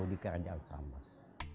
di kerajaan sambas